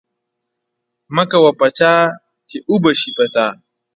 مه کوه په چا چی اوبه شی په تا.